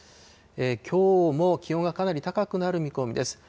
きょうも気温がかなり高くなる見込みです。